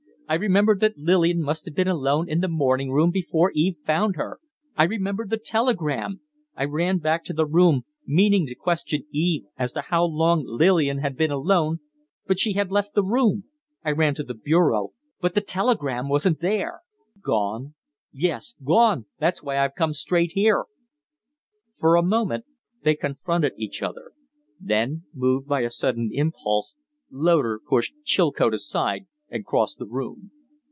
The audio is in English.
I remembered that Lillian must have been alone in the morning room before Eve found her! I remembered the telegram! I ran back to the room, meaning to question Eve as to how long Lillian had been alone, but she had left the room. I ran to the bureau but the telegram wasn't there!" "Gone?" "Yes, gone. That's why I've come straight here." For a moment they confronted each other. Then, moved by a sudden impulse, Loder pushed Chilcote aside and crossed the room.